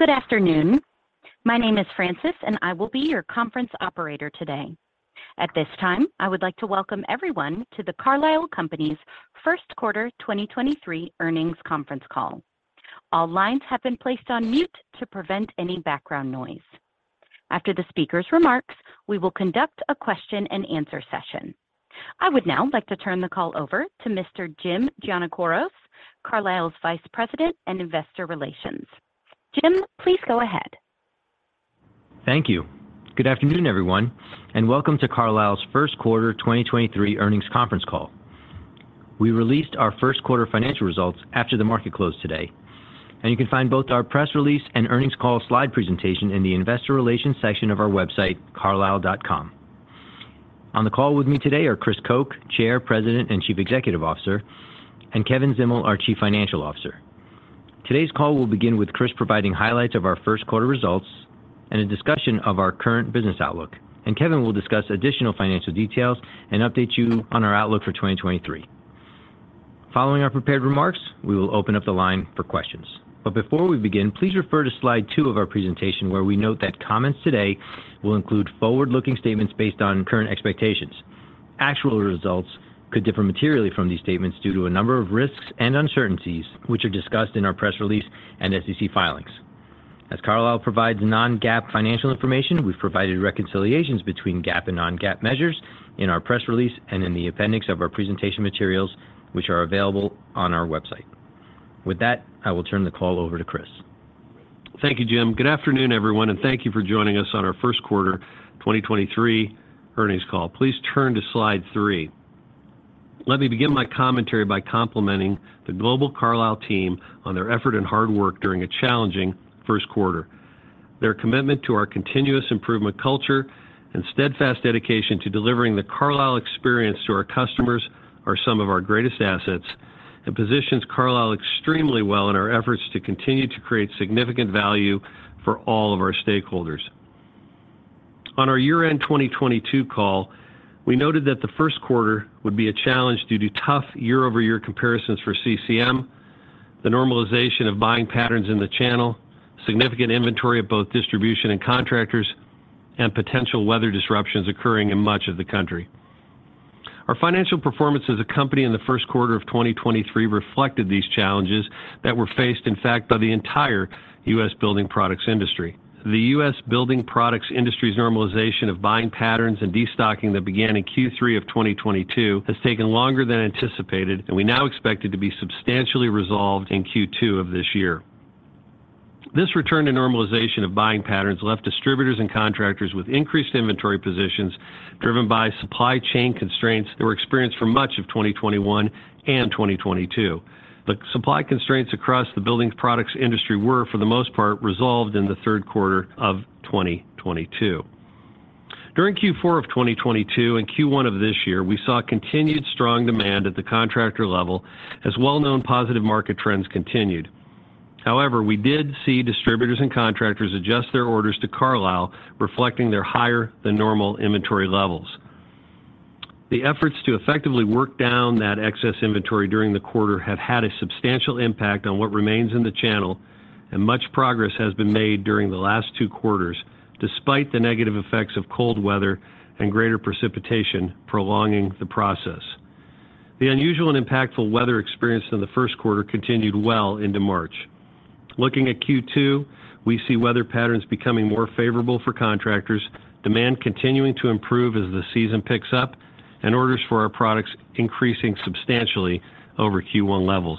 Good afternoon. My name is Francis, and I will be your conference operator today. At this time, I would like to welcome everyone to the Carlisle Companies' first quarter 2023 earnings conference call. All lines have been placed on mute to prevent any background noise. After the speaker's remarks, we will conduct a question-and-answer session. I would now like to turn the call over to Mr. Jim Giannakouros, Carlisle's Vice President and Investor Relations. Jim, please go ahead. Thank you. Good afternoon, everyone, and welcome to Carlisle's first quarter 2023 earnings conference call. We released our first quarter financial results after the market closed today. You can find both our press release and earnings call slide presentation in the investor relations section of our website, carlisle.com. On the call with me today are Chris Koch, Chair, President, and Chief Executive Officer, and Kevin Zdimal, our Chief Financial Officer. Today's call will begin with Chris providing highlights of our first quarter results and a discussion of our current business outlook. Kevin will discuss additional financial details and update you on our outlook for 2023. Following our prepared remarks, we will open up the line for questions. Before we begin, please refer to slide two of our presentation, where we note that comments today will include forward-looking statements based on current expectations. Actual results could differ materially from these statements due to a number of risks and uncertainties, which are discussed in our press release and SEC filings. As Carlisle provides non-GAAP financial information, we've provided reconciliations between GAAP and non-GAAP measures in our press release and in the appendix of our presentation materials, which are available on our website. With that, I will turn the call over to Chris. Thank you, Jim. Good afternoon, everyone, thank you for joining us on our first quarter 2023 earnings call. Please turn to slide 3. Let me begin my commentary by complimenting the global Carlisle team on their effort and hard work during a challenging first quarter. Their commitment to our continuous improvement culture and steadfast dedication to delivering the Carlisle experience to our customers are some of our greatest assets and positions Carlisle extremely well in our efforts to continue to create significant value for all of our stakeholders. On our year-end 2022 call, we noted that the first quarter would be a challenge due to tough year-over-year comparisons for CCM, the normalization of buying patterns in the channel, significant inventory at both distribution and contractors, and potential weather disruptions occurring in much of the country. Our financial performance as a company in the first quarter of 2023 reflected these challenges that were faced, in fact, by the entire U.S. building products industry. The U.S. building products industry's normalization of buying patterns and destocking that began in Q3 of 2022 has taken longer than anticipated, and we now expect it to be substantially resolved in Q2 of this year. This return to normalization of buying patterns left distributors and contractors with increased inventory positions driven by supply chain constraints that were experienced for much of 2021 and 2022. The supply constraints across the buildings products industry were, for the most part, resolved in the third quarter of 2022. During Q4 of 2022 and Q1 of this year, we saw continued strong demand at the contractor level as well-known positive market trends continued. However, we did see distributors and contractors adjust their orders to Carlisle, reflecting their higher than normal inventory levels. The efforts to effectively work down that excess inventory during the quarter have had a substantial impact on what remains in the channel, and much progress has been made during the last two quarters, despite the negative effects of cold weather and greater precipitation prolonging the process. The unusual and impactful weather experienced in the first quarter continued well into March. Looking at Q2, we see weather patterns becoming more favorable for contractors, demand continuing to improve as the season picks up, and orders for our products increasing substantially over Q1 levels.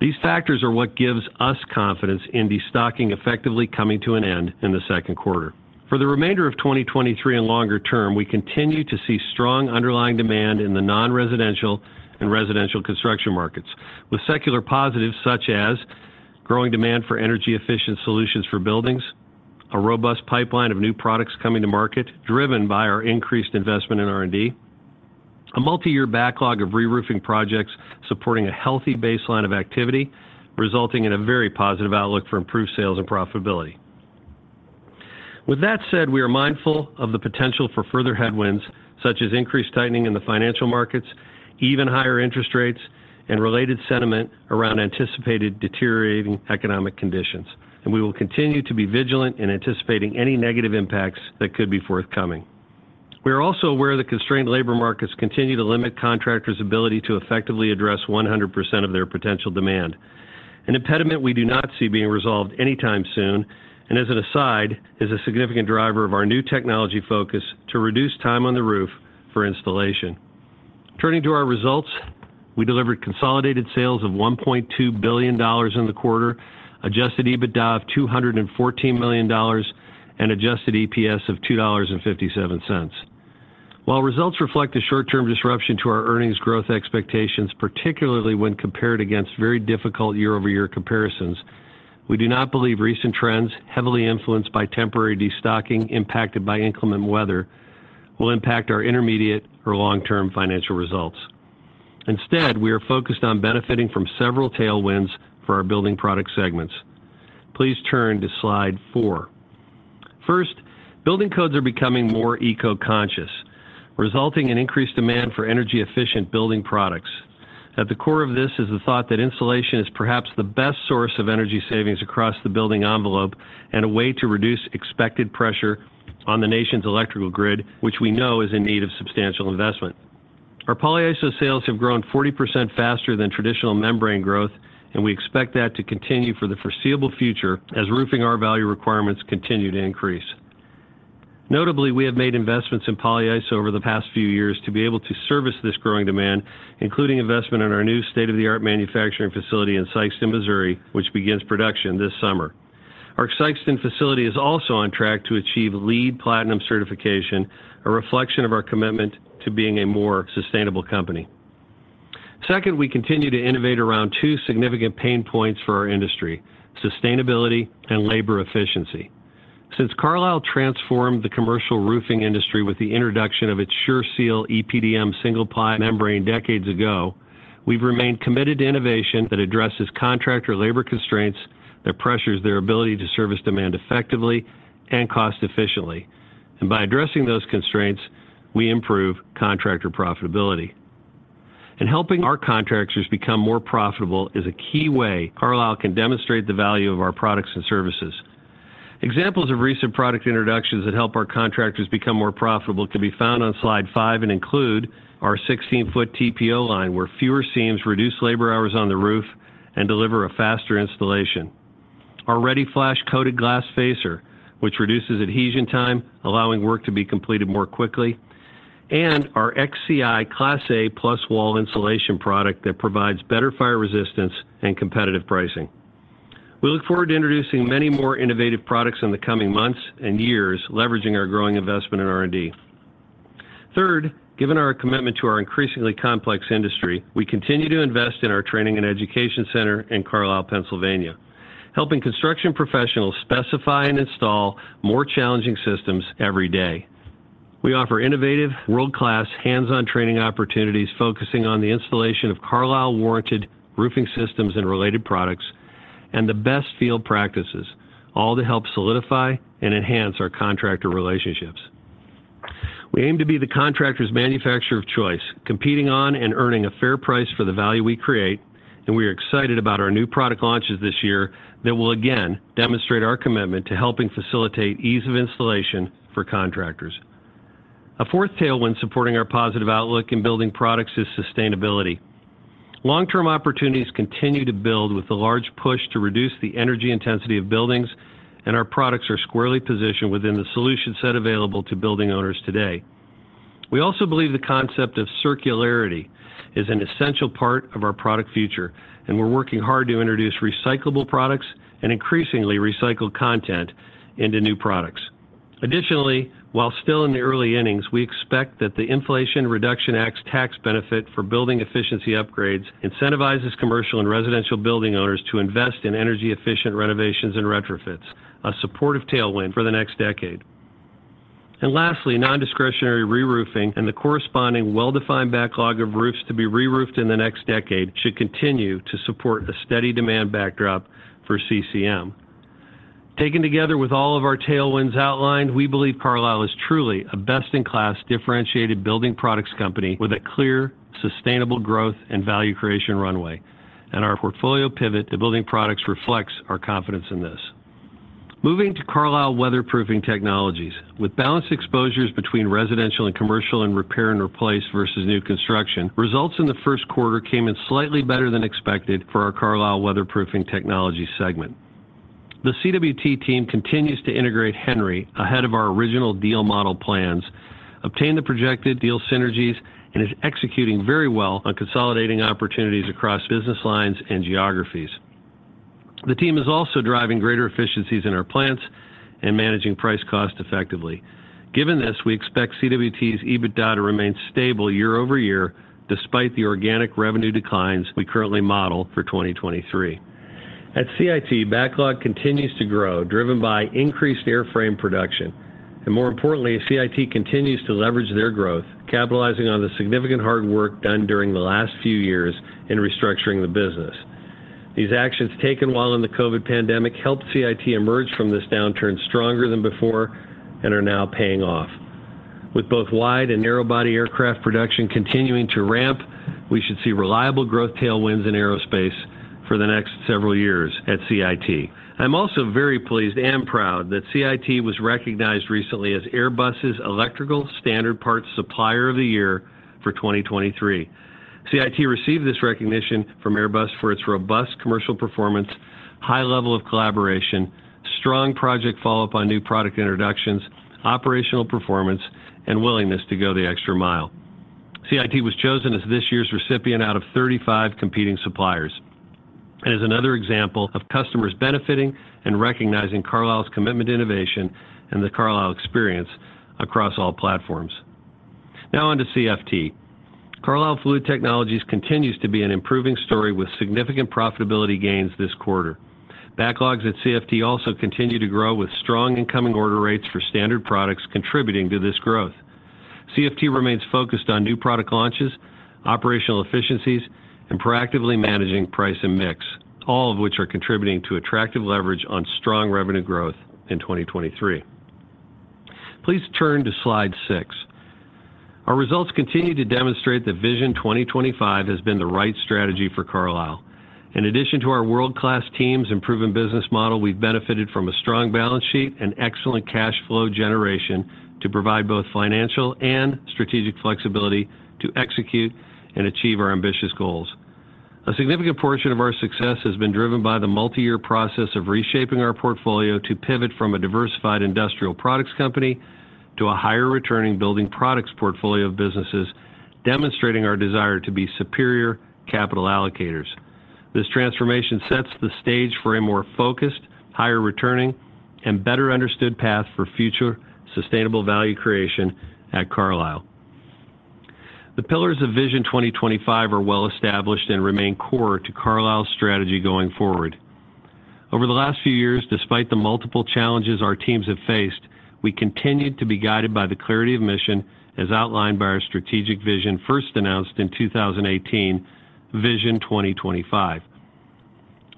These factors are what gives us confidence in destocking effectively coming to an end in the second quarter. For the remainder of 2023 and longer term, we continue to see strong underlying demand in the non-residential and residential construction markets, with secular positives such as growing demand for energy efficient solutions for buildings, a robust pipeline of new products coming to market driven by our increased investment in R&D, a multi-year backlog of reroofing projects supporting a healthy baseline of activity, resulting in a very positive outlook for improved sales and profitability. With that said, we are mindful of the potential for further headwinds, such as increased tightening in the financial markets, even higher interest rates, and related sentiment around anticipated deteriorating economic conditions, and we will continue to be vigilant in anticipating any negative impacts that could be forthcoming. We are also aware the constrained labor markets continue to limit contractors' ability to effectively address 100% of their potential demand, an impediment we do not see being resolved anytime soon, as an aside, is a significant driver of our new technology focus to reduce time on the roof for installation. Turning to our results, we delivered consolidated sales of $1.2 billion in the quarter, adjusted EBITDA of $214 million, and adjusted EPS of $2.57. While results reflect the short-term disruption to our earnings growth expectations, particularly when compared against very difficult year-over-year comparisons, we do not believe recent trends heavily influenced by temporary destocking impacted by inclement weather will impact our intermediate or long-term financial results. We are focused on benefiting from several tailwinds for our building product segments. Please turn to slide 4. Building codes are becoming more eco-conscious, resulting in increased demand for energy-efficient building products. At the core of this is the thought that insulation is perhaps the best source of energy savings across the building envelope and a way to reduce expected pressure on the nation's electrical grid, which we know is in need of substantial investment. Our polyiso sales have grown 40. faster than traditional membrane growth, we expect that to continue for the foreseeable future as roofing R-value requirements continue to increase. Notably, we have made investments in polyiso over the past few years to be able to service this growing demand, including investment in our new state-of-the-art manufacturing facility in Sikeston, Missouri, which begins production this summer. Our Sikeston facility is also on track to achieve LEED Platinum certification, a reflection of our commitment to being a more sustainable company. Second, we continue to innovate around two significant pain points for our industry, sustainability and labor efficiency. Since Carlisle transformed the commercial roofing industry with the introduction of its Sure-Seal EPDM single-ply membrane decades ago, we've remained committed to innovation that addresses contractor labor constraints that pressures their ability to service demand effectively and cost efficiently. By addressing those constraints, we improve contractor profitability. Helping our contractors become more profitable is a key way Carlisle can demonstrate the value of our products and services. Examples of recent product introductions that help our contractors become more profitable can be found on slide five and include our 16 ft TPO line, where fewer seams reduce labor hours on the roof and deliver a faster installation. Our ReadyFlash coated glass facer, which reduces adhesion time, allowing work to be completed more quickly, and our Xci Class A Plus wall insulation product that provides better fire resistance and competitive pricing. We look forward to introducing many more innovative products in the coming months and years, leveraging our growing investment in R&D. Third, given our commitment to our increasingly complex industry, we continue to invest in our training and education center in Carlisle, Pennsylvania, helping construction professionals specify and install more challenging systems every day. We offer innovative, world-class, hands-on training opportunities focusing on the installation of Carlisle-warranted roofing systems and related products and the best field practices, all to help solidify and enhance our contractor relationships. We aim to be the contractor's manufacturer of choice, competing on and earning a fair price for the value we create. We are excited about our new product launches this year that will again demonstrate our commitment to helping facilitate ease of installation for contractors. A fourth tailwind supporting our positive outlook in building products is sustainability. Long-term opportunities continue to build with the large push to reduce the energy intensity of buildings. Our products are squarely positioned within the solution set available to building owners today. We also believe the concept of circularity is an essential part of our product future. We're working hard to introduce recyclable products and increasingly recycled content into new products. Additionally, while still in the early innings, we expect that the Inflation Reduction Act's tax benefit for building efficiency upgrades incentivizes commercial and residential building owners to invest in energy-efficient renovations and retrofits, a supportive tailwind for the next decade. Lastly, non-discretionary reroofing and the corresponding well-defined backlog of roofs to be reroofed in the next decade should continue to support a steady demand backdrop for CCM. Taken together with all of our tailwinds outlined, we believe Carlisle is truly a best-in-class differentiated building products company with a clear, sustainable growth and value creation runway. Our portfolio pivot to building products reflects our confidence in this. Moving to Carlisle Weatherproofing Technologies. With balanced exposures between residential and commercial and repair and replace versus new construction, results in the first quarter came in slightly better than expected for our Carlisle Weatherproofing Technologies segment. The CWT team continues to integrate Henry ahead of our original deal model plans, obtain the projected deal synergies, and is executing very well on consolidating opportunities across business lines and geographies. The team is also driving greater efficiencies in our plants and managing price cost effectively. Given this, we expect CWT's EBITDA to remain stable year-over-year despite the organic revenue declines we currently model for 2023. At CIT, backlog continues to grow, driven by increased airframe production. More importantly, CIT continues to leverage their growth, capitalizing on the significant hard work done during the last few years in restructuring the business. These actions taken while in the COVID pandemic helped CIT emerge from this downturn stronger than before and are now paying off. With both wide and narrow body aircraft production continuing to ramp, we should see reliable growth tailwinds in aerospace for the next several years at CIT. I'm also very pleased and proud that CIT was recognized recently as Airbus's Electrical Standard Parts Supplier of the Year for 2023. CIT received this recognition from Airbus for its robust commercial performance, high level of collaboration, strong project follow-up on new product introductions, operational performance, and willingness to go the extra mile. CIT was chosen as this year's recipient out of 35 competing suppliers and is another example of customers benefiting and recognizing Carlisle's commitment to innovation and the Carlisle experience across all platforms. Now on to CFT. Carlisle Fluid Technologies continues to be an improving story with significant profitability gains this quarter. Backlogs at CFT also continue to grow, with strong incoming order rates for standard products contributing to this growth. CFT remains focused on new product launches, operational efficiencies, and proactively managing price and mix, all of which are contributing to attractive leverage on strong revenue growth in 2023. Please turn to slide 6. Our results continue to demonstrate that Vision 2025 has been the right strategy for Carlisle. In addition to our world-class teams and proven business model, we've benefited from a strong balance sheet and excellent cash flow generation to provide both financial and strategic flexibility to execute and achieve our ambitious goals. A significant portion of our success has been driven by the multi-year process of reshaping our portfolio to pivot from a diversified industrial products company to a higher returning building products portfolio of businesses, demonstrating our desire to be superior capital allocators. This transformation sets the stage for a more focused, higher returning, and better understood path for future sustainable value creation at Carlisle. The pillars of Vision 2025 are well established and remain core to Carlisle's strategy going forward. Over the last few years, despite the multiple challenges our teams have faced, we continued to be guided by the clarity of mission as outlined by our strategic vision first announced in 2018, Vision 2025.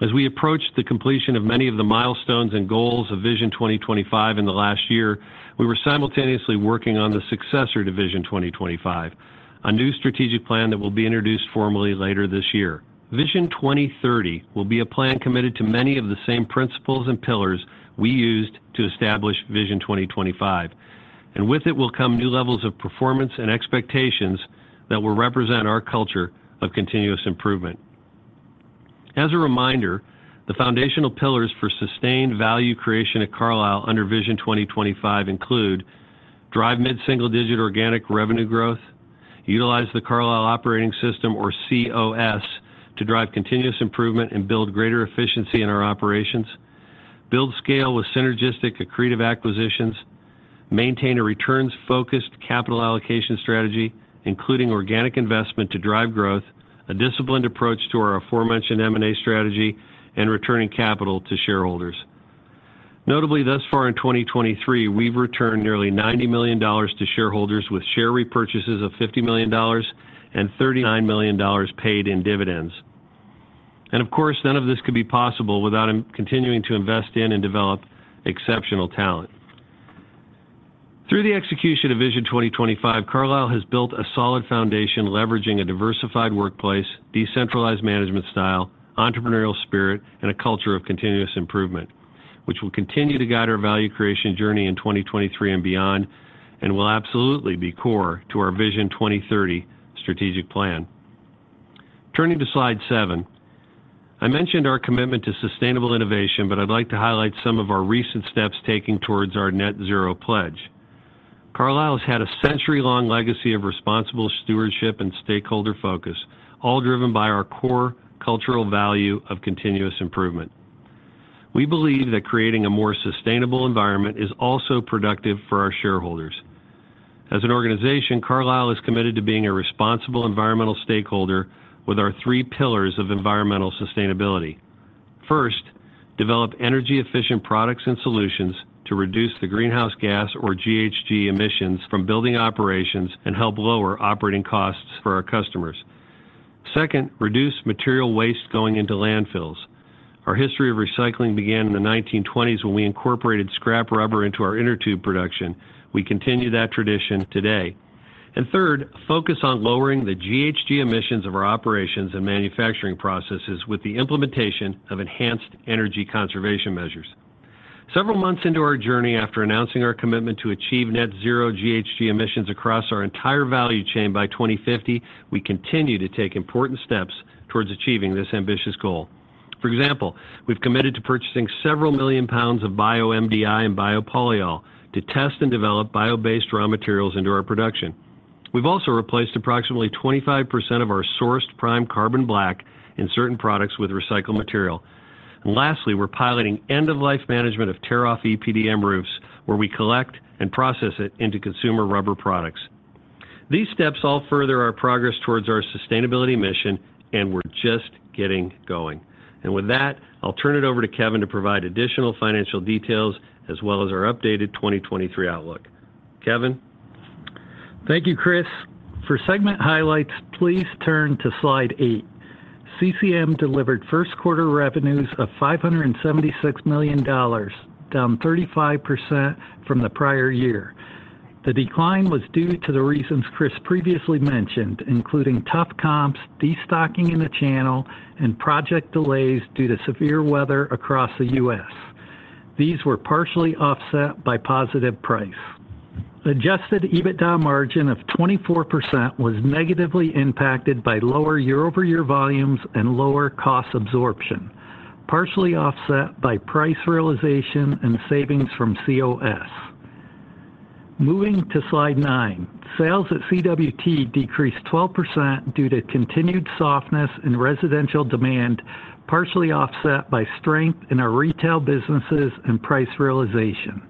As we approach the completion of many of the milestones and goals of Vision 2025 in the last year, we were simultaneously working on the successor to Vision 2025, a new strategic plan that will be introduced formally later this year. Vision 2030 will be a plan committed to many of the same principles and pillars we used to establish Vision 2025, and with it will come new levels of performance and expectations that will represent our culture of continuous improvement. As a reminder, the foundational pillars for sustained value creation at Carlisle under Vision 2025 include drive mid-single digit organic revenue growth, utilize the Carlisle Operating System or COS to drive continuous improvement and build greater efficiency in our operations, build scale with synergistic accretive acquisitions, maintain a returns-focused capital allocation strategy, including organic investment to drive growth, a disciplined approach to our aforementioned M&A strategy, and returning capital to shareholders. Notably, thus far in 2023, we've returned nearly $90 million to shareholders with share repurchases of $50 million and $39 million paid in dividends. Of course, none of this could be possible without continuing to invest in and develop exceptional talent. Through the execution of Vision 2025, Carlisle has built a solid foundation leveraging a diversified workplace, decentralized management style, entrepreneurial spirit, and a culture of continuous improvement, which will continue to guide our value creation journey in 2023 and beyond and will absolutely be core to our Vision 2030 strategic plan. Turning to slide 7. I mentioned our commitment to sustainable innovation, I'd like to highlight some of our recent steps taken towards our net zero pledge. Carlisle has had a century-long legacy of responsible stewardship and stakeholder focus, all driven by our core cultural value of continuous improvement. We believe that creating a more sustainable environment is also productive for our shareholders. As an organization, Carlisle is committed to being a responsible environmental stakeholder with our three pillars of environmental sustainability. First, develop energy efficient products and solutions to reduce the greenhouse gas or GHG emissions from building operations and help lower operating costs for our customers. Second, reduce material waste going into landfills. Our history of recycling began in the 1920s when we incorporated scrap rubber into our inner tube production. We continue that tradition today. Third, focus on lowering the GHG emissions of our operations and manufacturing processes with the implementation of enhanced energy conservation measures. Several months into our journey after announcing our commitment to achieve net zero GHG emissions across our entire value chain by 2050, we continue to take important steps towards achieving this ambitious goal. For example, we've committed to purchasing several million pounds of bio-MDI and biopolyol to test and develop bio-based raw materials into our production. We've also replaced approximately 25% of our sourced prime carbon black in certain products with recycled material. Lastly, we're piloting end-of-life management of tear-off EPDM roofs, where we collect and process it into consumer rubber products. These steps all further our progress towards our sustainability mission, and we're just getting going. With that, I'll turn it over to Kevin to provide additional financial details as well as our updated 2023 outlook. Kevin? Thank you, Chris. For segment highlights, please turn to slide eight. CCM delivered 1st quarter revenues of $576 million, down 35% from the prior year. The decline was due to the reasons Chris previously mentioned, including tough comps, destocking in the channel, and project delays due to severe weather across the U.S. These were partially offset by positive price. Adjusted EBITDA margin of 24% was negatively impacted by lower year-over-year volumes and lower cost absorption, partially offset by price realization and savings from COS. Moving to slide nine. Sales at CWT decreased 12% due to continued softness in residential demand, partially offset by strength in our retail businesses and price realization.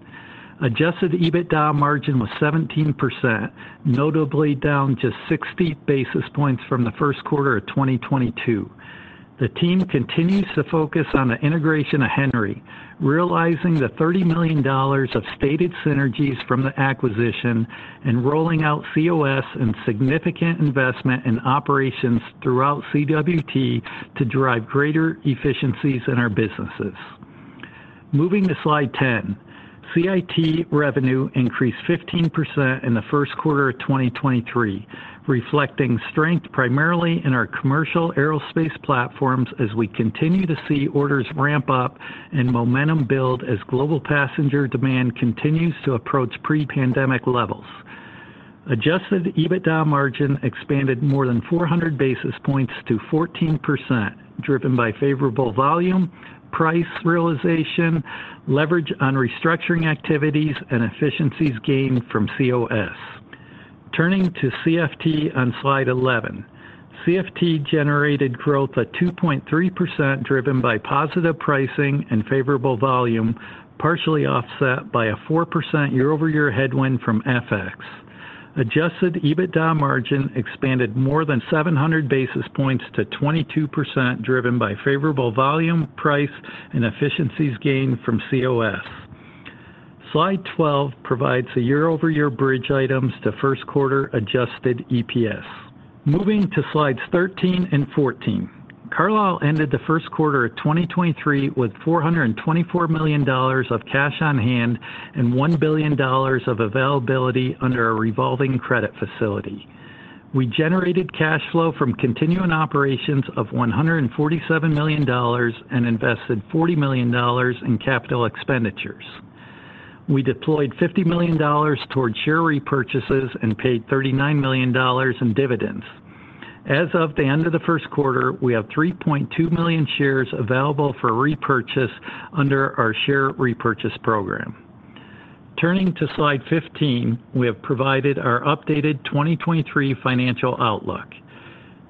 Adjusted EBITDA margin was 17%, notably down just 60 basis points from the first quarter of 2022. The team continues to focus on the integration of Henry, realizing the $30 million of stated synergies from the acquisition and rolling out COS and significant investment in operations throughout CWT to drive greater efficiencies in our businesses. Moving to slide 10. CIT revenue increased 15% in the first quarter of 2023, reflecting strength primarily in our commercial aerospace platforms as we continue to see orders ramp up and momentum build as global passenger demand continues to approach pre-pandemic levels. Adjusted EBITDA margin expanded more than 400 basis points to 14%, driven by favorable volume, price realization, leverage on restructuring activities and efficiencies gained from COS. Turning to CFT on slide 11. CFT generated growth at 2.3%, driven by positive pricing and favorable volume, partially offset by a 4% year-over-year headwind from FX. Adjusted EBITDA margin expanded more than 700 basis points to 22%, driven by favorable volume, price, and efficiencies gained from COS. Slide 12 provides the year-over-year bridge items to first quarter adjusted EPS. Moving to slides 13 and 14. Carlisle ended the first quarter of 2023 with $424 million of cash on hand and $1 billion of availability under a revolving credit facility. We generated cash flow from continuing operations of $147 million and invested $40 million in capital expenditures. We deployed $50 million towards share repurchases and paid $39 million in dividends. As of the end of the first quarter, we have 3.2 million shares available for repurchase under our share repurchase program. Turning to slide 15, we have provided our updated 2023 financial outlook.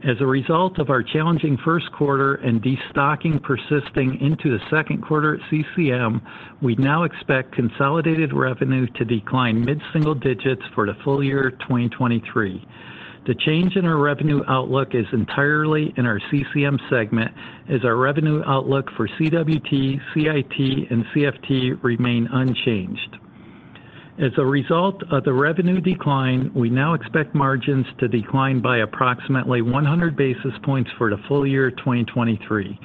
As a result of our challenging first quarter and destocking persisting into the second quarter at CCM, we now expect consolidated revenue to decline mid-single digits for the full year 2023. The change in our revenue outlook is entirely in our CCM segment as our revenue outlook for CWT, CIT, and CFT remain unchanged. As a result of the revenue decline, we now expect margins to decline by approximately 100 basis points for the full year 2023.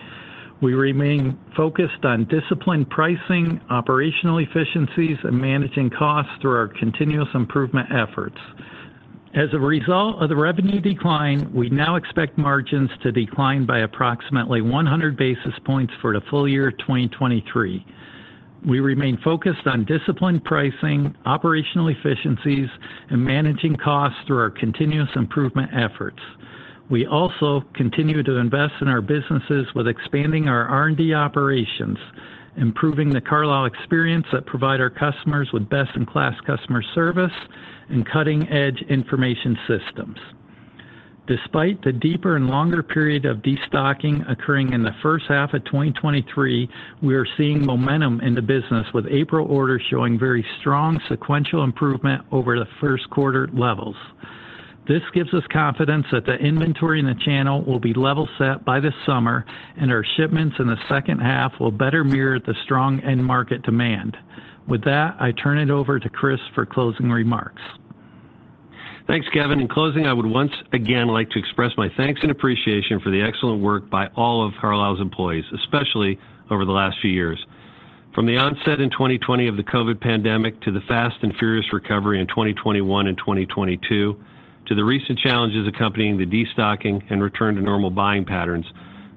We remain focused on disciplined pricing, operational efficiencies, and managing costs through our continuous improvement efforts. As a result of the revenue decline, we now expect margins to decline by approximately 100 basis points for the full year 2023. We remain focused on disciplined pricing, operational efficiencies, and managing costs through our continuous improvement efforts. We also continue to invest in our businesses with expanding our R&D operations, improving the Carlisle experience that provide our customers with best-in-class customer service and cutting-edge information systems. Despite the deeper and longer period of destocking occurring in the first half of 2023, we are seeing momentum in the business with April orders showing very strong sequential improvement over the first quarter levels. This gives us confidence that the inventory in the channel will be level set by this summer and our shipments in the second half will better mirror the strong end market demand. With that, I turn it over to Chris for closing remarks. Thanks, Kevin. In closing, I would once again like to express my thanks and appreciation for the excellent work by all of Carlisle's employees, especially over the last few years. From the onset in 2020 of the COVID pandemic to the fast and furious recovery in 2021 and 2022, to the recent challenges accompanying the destocking and return to normal buying patterns,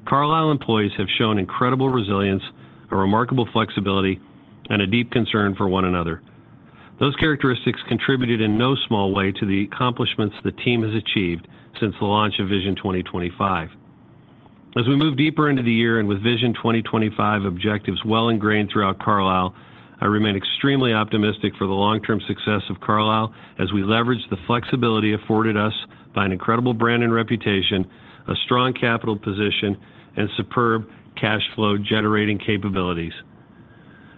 Carlisle employees have shown incredible resilience, a remarkable flexibility, and a deep concern for one another. Those characteristics contributed in no small way to the accomplishments the team has achieved since the launch of Vision 2025. As we move deeper into the year and with Vision 2025 objectives well ingrained throughout Carlisle, I remain extremely optimistic for the long-term success of Carlisle as we leverage the flexibility afforded us by an incredible brand and reputation, a strong capital position, and superb cash flow generating capabilities.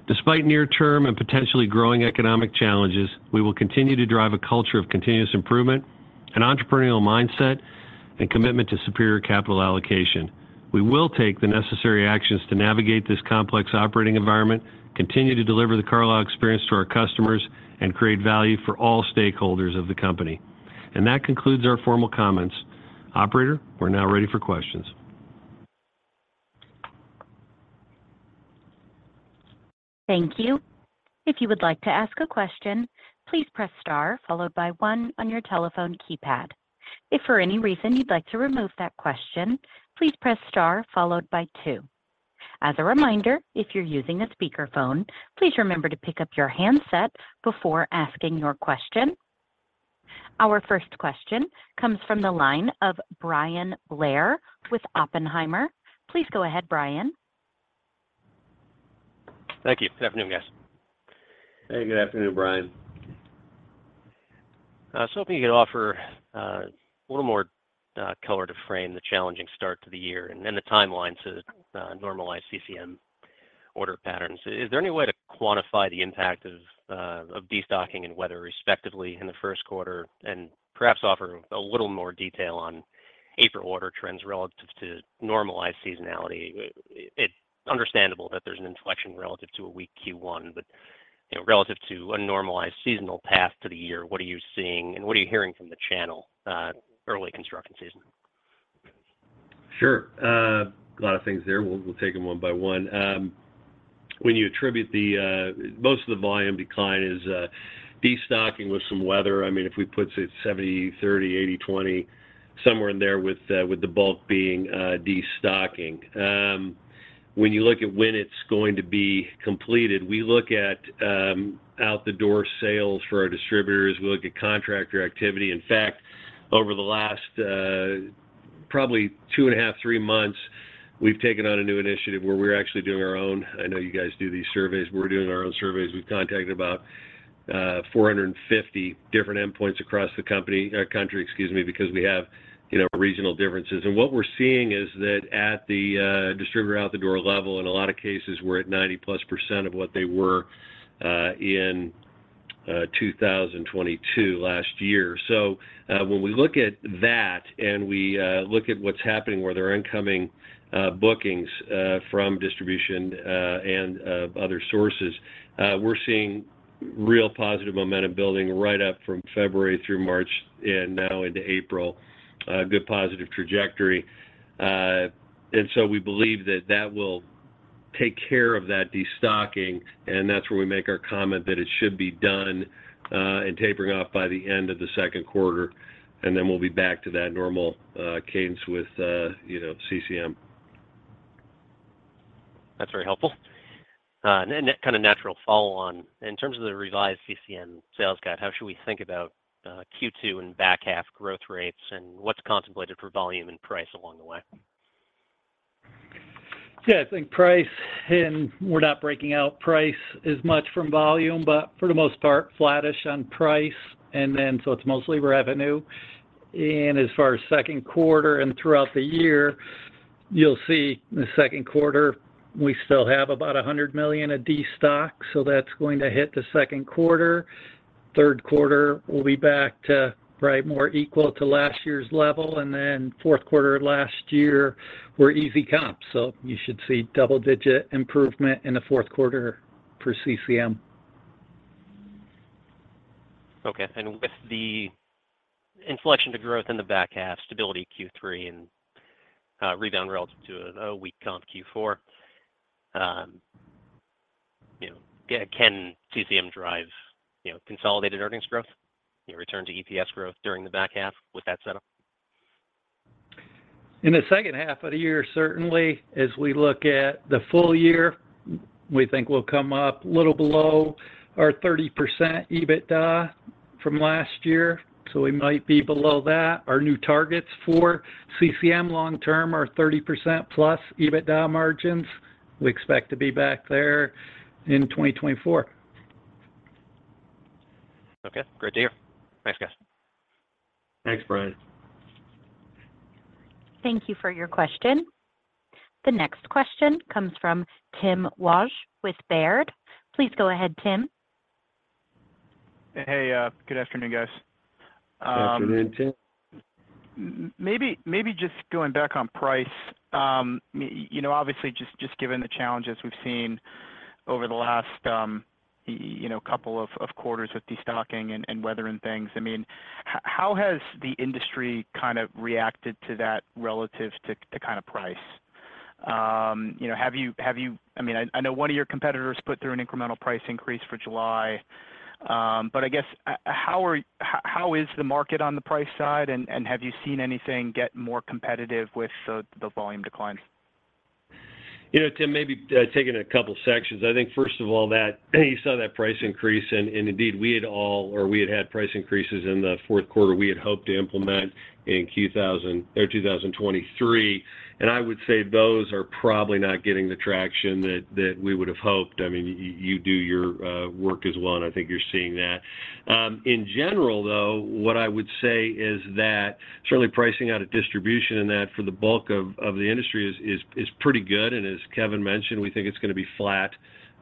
Despite near-term and potentially growing economic challenges, we will continue to drive a culture of continuous improvement, an entrepreneurial mindset, and commitment to superior capital allocation. We will take the necessary actions to navigate this complex operating environment, continue to deliver the Carlisle experience to our customers, and create value for all stakeholders of the company. That concludes our formal comments. Operator, we're now ready for questions. Thank you. If you would like to ask a question, please press star followed by one on your telephone keypad. If for any reason you'd like to remove that question, please press star followed by two. As a reminder, if you're using a speakerphone, please remember to pick up your handset before asking your question. Our first question comes from the line of Bryan Blair with Oppenheimer. Please go ahead, Bryan. Thank you. Good afternoon, guys. Hey, good afternoon, Bryan. I was hoping you could offer a little more color to frame the challenging start to the year and then the timeline to normalize CCM order patterns. Is there any way to quantify the impact of destocking and weather respectively in the first quarter and perhaps offer a little more detail on April order trends relative to normalized seasonality? Understandable that there's an inflection relative to a weak Q1, but, you know, relative to a normalized seasonal path to the year, what are you seeing and what are you hearing from the channel, early construction season? Sure. A lot of things there. We'll take them one by one. When you attribute the most of the volume decline is destocking with some weather. I mean, if we put say 70, 30, 80, 20, somewhere in there with the bulk being destocking. When you look at when it's going to be completed, we look at out the door sales for our distributors. We look at contractor activity. In fact, over the last probably 2.5, 3 months, we've taken on a new initiative where we're actually doing our own. I know you guys do these surveys. We're doing our own surveys. We've contacted about 450 different endpoints across the country, excuse me, because we have, you know, regional differences. What we're seeing is that at the distributor out the door level, in a lot of cases we're at 90%+ of what they were in 2022 last year. When we look at that and we look at what's happening, where there are incoming bookings from distribution and other sources, we're seeing real positive momentum building right up from February through March and now into April. Good positive trajectory. We believe that that will take care of that destocking, and that's where we make our comment that it should be done and tapering off by the end of the second quarter, and then we'll be back to that normal cadence with, you know, CCM. That's very helpful. kind of natural follow on. In terms of the revised CCM sales guide, how should we think about Q2 and back half growth rates and what's contemplated for volume and price along the way? Yeah. I think price, and we're not breaking out price as much from volume, but for the most part, flattish on price. It's mostly revenue. As far as second quarter and throughout the year, you'll see the second quarter, we still have about $100 million of destock, so that's going to hit the second quarter. Third quarter, we'll be back to probably more equal to last year's level. Fourth quarter of last year were easy comps. You should see double-digit improvement in the fourth quarter for CCM. Okay. With the inflection to growth in the back half, stability Q3 and rebound relative to a weak comp Q4, you know, can CCM drive, you know, consolidated earnings growth? You know, return to EPS growth during the back half with that setup? In the second half of the year, certainly as we look at the full year, we think we'll come up a little below our 30% EBITDA from last year. We might be below that. Our new targets for CCM long term are 30% plus EBITDA margins. We expect to be back there in 2024. Okay. Great to hear. Thanks, guys. Thanks, Bryan. Thank you for your question. The next question comes from Tim Wojs with Baird. Please go ahead, Tim. Hey. Good afternoon, guys. Afternoon, Tim. Maybe just going back on price. You know, obviously just given the challenges we've seen over the last, you know, couple of quarters with destocking and weather and things. I mean, how has the industry kind of reacted to that relative to kind of price? You know, have you I mean, I know one of your competitors put through an incremental price increase for July. I guess how is the market on the price side, and have you seen anything get more competitive with the volume declines? You know, Tim, maybe taking a couple sections. I think first of all that you saw that price increase and, indeed we had had price increases in the fourth quarter we had hoped to implement in 2023. I would say those are probably not getting the traction that we would have hoped. I mean, you do your work as well, and I think you're seeing that. In general though, what I would say is that certainly pricing out of distribution and that for the bulk of the industry is pretty good. As Kevin mentioned, we think it's gonna be flat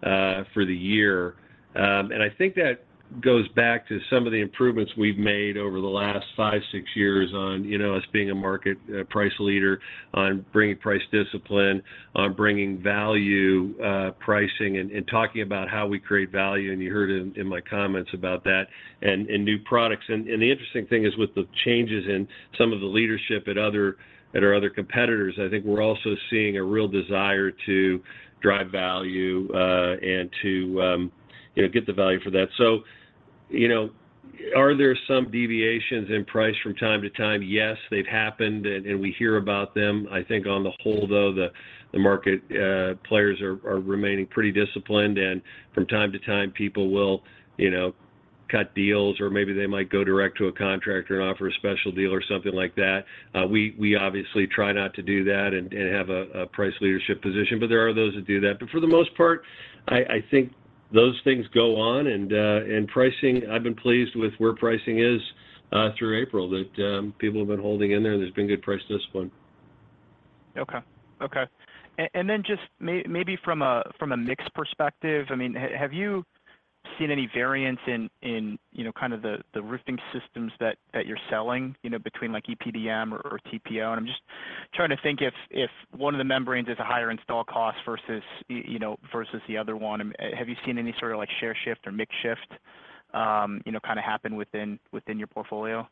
for the year. I think that goes back to some of the improvements we've made over the last five, six years on, you know, us being a market price leader, on bringing price discipline, on bringing value pricing and talking about how we create value, and you heard in my comments about that and new products. The interesting thing is with the changes in some of the leadership at our other competitors, I think we're also seeing a real desire to drive value and to, you know, get the value for that. You know, are there some deviations in price from time to time? Yes, they've happened and we hear about them. I think on the whole though, the market players are remaining pretty disciplined. From time to time people will, you know, cut deals or maybe they might go direct to a contractor and offer a special deal or something like that. We obviously try not to do that and have a price leadership position, but there are those that do that. For the most part, I think those things go on, and pricing, I've been pleased with where pricing is through April, that people have been holding in there, and there's been good price to this point. Okay. Okay. and then just maybe from a mix perspective, I mean, have you seen any variance in, you know, kind of the roofing systems that you're selling, you know, between like EPDM or TPO? I'm just trying to think if one of the membranes is a higher install cost versus, you know, versus the other one, have you seen any sort of like share shift or mix shift, you know, kinda happen within your portfolio?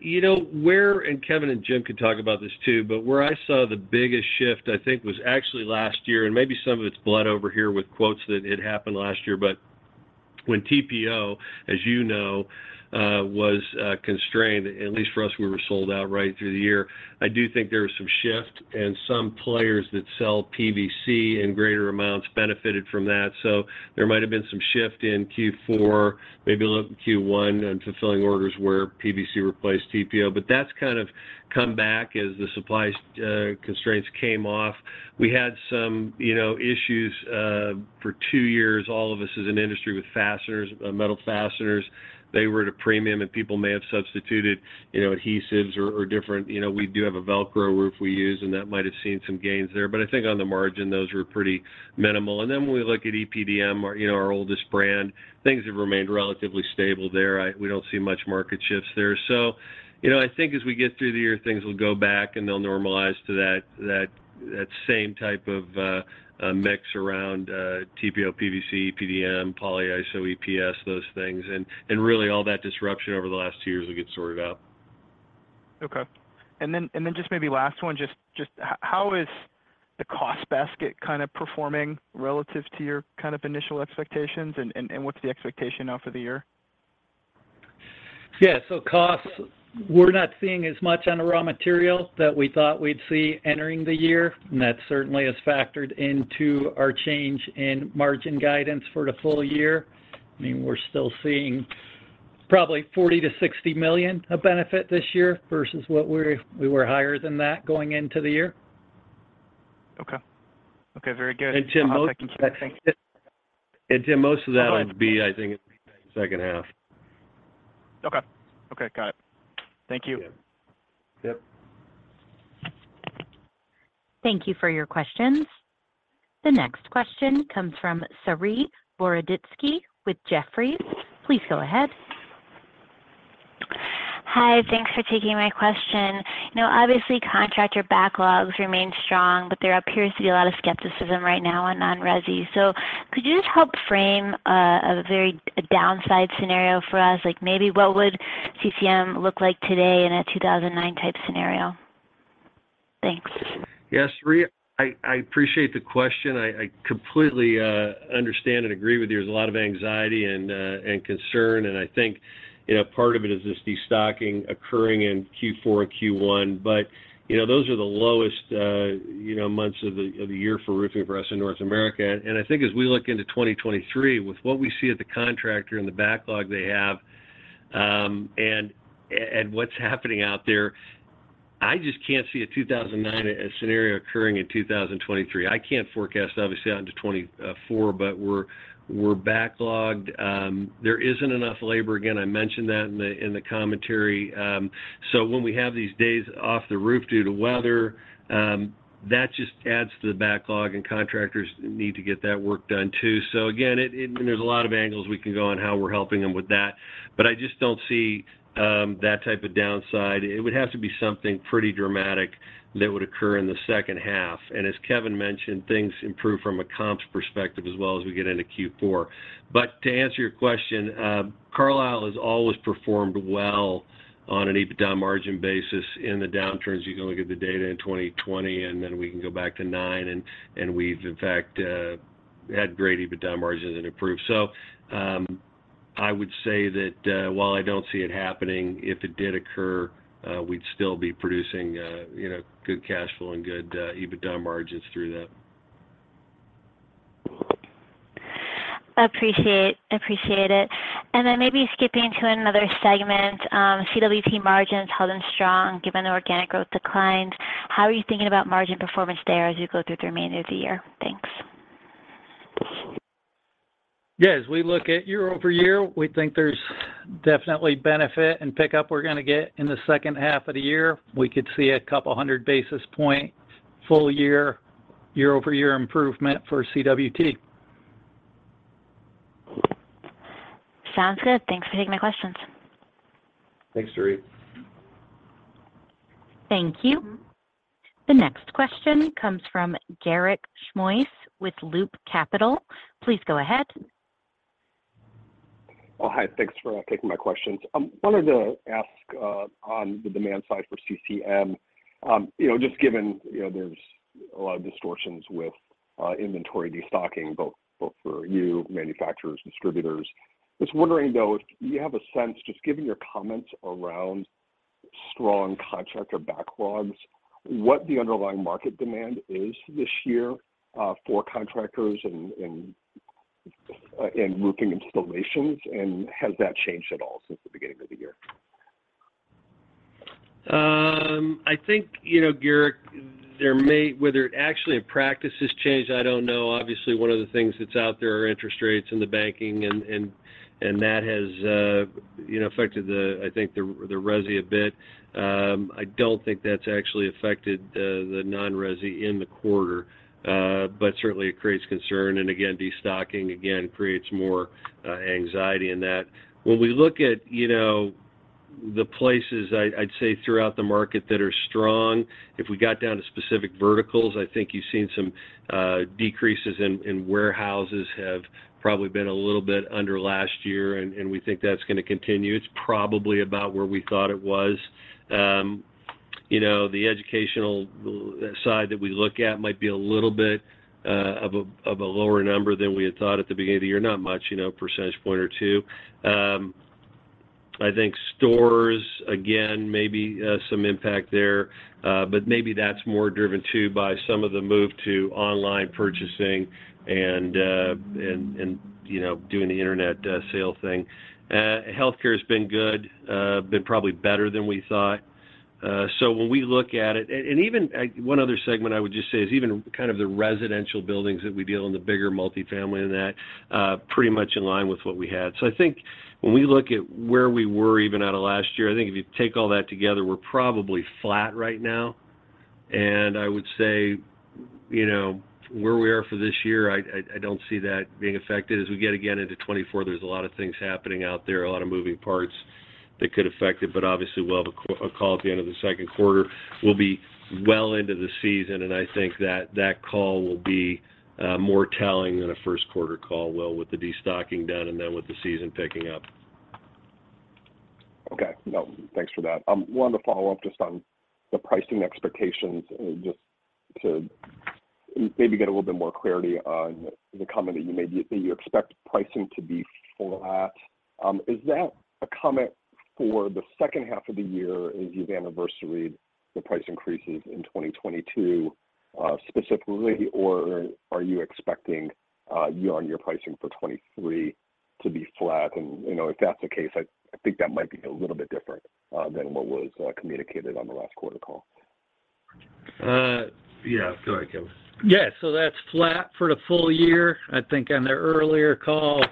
you know, where Kevin and Jim can talk about this too, but where I saw the biggest shift, I think, was actually last year, and maybe some of it's bled over here with quotes that it happened last year. When TPO, as you know, was constrained, at least for us, we were sold out right through the year. I do think there was some shift, and some players that sell PVC in greater amounts benefited from that. There might have been some shift in Q4, maybe a little Q1 in fulfilling orders where PVC replaced TPO. That's kind of come back as the supply constraints came off. We had some, you know, issues, for 2 years, all of us as an industry with fasteners, metal fasteners. They were at a premium. People may have substituted, you know, adhesives. You know, we do have a VELCRO roof we use, and that might have seen some gains there. I think on the margin, those were pretty minimal. When we look at EPDM, our, you know, our oldest brand, things have remained relatively stable there. We don't see much market shifts there. You know, I think as we get through the year, things will go back, and they'll normalize to that same type of mix around TPO, PVC, EPDM, polyiso, EPS, those things. Really all that disruption over the last two years will get sorted out. Okay. Then just maybe last one, just how is the cost basket kind of performing relative to your kind of initial expectations, and what's the expectation now for the year? Costs, we're not seeing as much on the raw material that we thought we'd see entering the year. That certainly has factored into our change in margin guidance for the full year. We're still seeing probably $40 million-$60 million of benefit this year versus what we were higher than that going into the year. Okay. Okay, very good. Tim. Tim, most of that will be, I think, in the second half. Okay. Okay, got it. Thank you. Yep. Yep. Thank you for your questions. The next question comes from Saree Boroditsky with Jefferies. Please go ahead. Hi. Thanks for taking my question. You know, obviously, contractor backlogs remain strong, but there appears to be a lot of skepticism right now on non-resi. Could you just help frame a downside scenario for us? Like, maybe what would CCM look like today in a 2009 type scenario? Thanks. Yeah, Saree, I appreciate the question. I completely understand and agree with you. There's a lot of anxiety and concern, and I think, you know, part of it is this destocking occurring in Q4 and Q1. You know, those are the lowest, you know, months of the year for roofing for us in North America. I think as we look into 2023, with what we see at the contractor and the backlog they have, and what's happening out there, I just can't see a 2009 scenario occurring in 2023. I can't forecast, obviously, out into 2024, but we're backlogged. There isn't enough labor. Again, I mentioned that in the commentary. When we have these days off the roof due to weather, that just adds to the backlog, and contractors need to get that work done too. Again, it and there's a lot of angles we can go on how we're helping them with that. I just don't see that type of downside. It would have to be something pretty dramatic that would occur in the second half. As Kevin mentioned, things improve from a comps perspective as well as we get into Q4. To answer your question, Carlisle has always performed well on an EBITDA margin basis in the downturns. You can look at the data in 2020, and then we can go back to 2009, and we've, in fact, had great EBITDA margins and improved. I would say that, while I don't see it happening, if it did occur, we'd still be producing, you know, good cash flow and good EBITDA margins through that. Appreciate it. Then maybe skipping to another segment, CWT margins holding strong given the organic growth declines. How are you thinking about margin performance there as you go through the remainder of the year? Thanks. Yeah. As we look at year-over-year, we think there's definitely benefit and pickup we're gonna get in the second half of the year. We could see a couple hundred basis point full-year, year-over-year improvement for CWT. Sounds good. Thanks for taking my questions. Thanks, Saree. Thank you. The next question comes from Garik Shmois with Loop Capital. Please go ahead. Hi. Thanks for taking my questions. wanted to ask on the demand side for CCM, you know, just given, you know, there's a lot of distortions with inventory destocking both for you, manufacturers, distributors. Just wondering, though, if you have a sense, just given your comments around strong contractor backlogs, what the underlying market demand is this year, for contractors and roofing installations, and has that changed at all since the beginning of the year? I think, you know, Garik, whether actually a practice has changed, I don't know. Obviously, one of the things that's out there are interest rates and the banking and that has, you know, affected the, I think, the resi a bit. I don't think that's actually affected the non-resi in the quarter, but certainly it creates concern. Again, destocking, again, creates more anxiety in that. When we look at, you know, the places I'd say throughout the market that are strong, if we got down to specific verticals, I think you've seen some decreases in warehouses have probably been a little bit under last year, and we think that's gonna continue. It's probably about where we thought it was. You know, the educational side that we look at might be a little bit of a, of a lower number than we had thought at the beginning of the year. Not much, you know, percentage point or 2. I think stores, again, maybe some impact there. Maybe that's more driven too by some of the move to online purchasing and, you know, doing the internet sale thing. Healthcare's been good, been probably better than we thought. When we look at it. Even, one other segment I would just say is even kind of the residential buildings that we deal in the bigger multifamily and that, pretty much in line with what we had. I think when we look at where we were even out of last year, I think if you take all that together, we're probably flat right now. I would say, you know, where we are for this year, I don't see that being affected. As we get again into 2024, there's a lot of things happening out there, a lot of moving parts that could affect it. Obviously, we'll have a call at the end of the second quarter. We'll be well into the season, and I think that that call will be more telling than a first quarter call will with the destocking done and then with the season picking up. Okay. No, thanks for that. Wanted to follow up just on the pricing expectations, just to maybe get a little bit more clarity on the comment that you made. You expect pricing to be flat. Is that a comment for the second half of the year as you've anniversaried the price increases in 2022, specifically, or are you expecting year-on-year pricing for 2023 to be flat? You know, if that's the case, I think that might be a little bit different than what was communicated on the last quarter call. Yeah. Go ahead, Kevin. Yeah. That's flat for the full year. I think on the earlier call,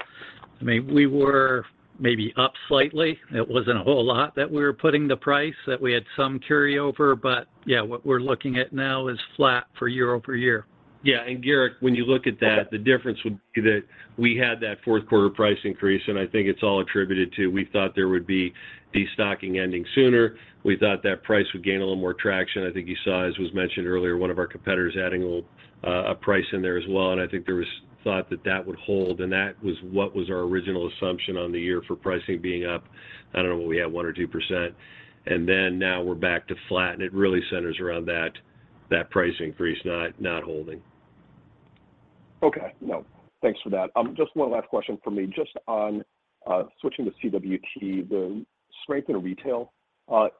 I mean, we were maybe up slightly. It wasn't a whole lot that we were putting the price that we had some carryover. Yeah, what we're looking at now is flat for year-over-year. Yeah. Garik, when you look at that, the difference would be that we had that fourth quarter price increase, I think it's all attributed to we thought there would be destocking ending sooner. We thought that price would gain a little more traction. I think you saw, as was mentioned earlier, one of our competitors adding a little a price in there as well, I think there was thought that that would hold. That was what was our original assumption on the year for pricing being up, I don't know what we had, 1% or 2%. Now we're back to flat, it really centers around that price increase not holding. Okay. No, thanks for that. Just one last question from me. Just on switching to CWT, the strength in retail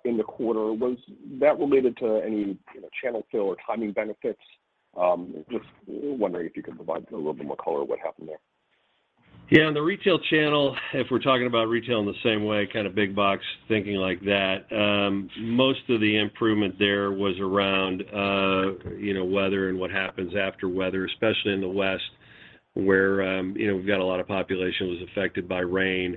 in the quarter, was that related to any, you know, channel fill or timing benefits? Just wondering if you could provide a little bit more color on what happened there. On the retail channel, if we're talking about retail in the same way, kind of big box thinking like that, most of the improvement there was around, you know, weather and what happens after weather, especially in the West where, you know, we've got a lot of population was affected by rain.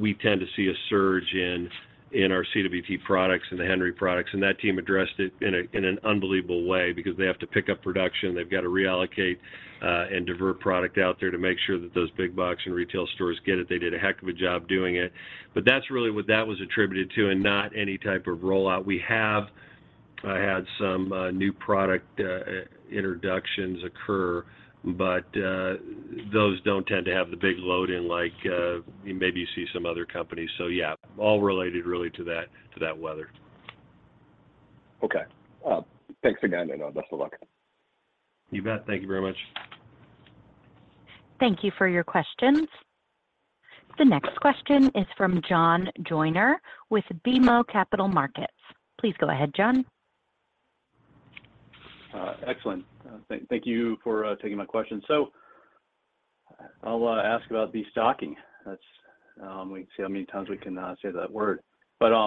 We tend to see a surge in our CWT products and the Henry products, and that team addressed it in an unbelievable way because they have to pick up production. They've got to reallocate and divert product out there to make sure that those big box and retail stores get it. They did a heck of a job doing it. That's really what that was attributed to and not any type of rollout. We have had some new product introductions occur, but those don't tend to have the big load in like maybe you see some other companies. Yeah, all related really to that, to that weather. Okay. Well, thanks again, and, best of luck. You bet. Thank you very much. Thank you for your questions. The next question is from John Joyner with BMO Capital Markets. Please go ahead, John. Excellent. Thank you for taking my question. I'll ask about destocking. That's, we can see how many times we can say that word. I